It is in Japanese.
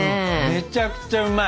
めちゃくちゃうまい。